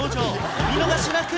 お見逃しなく！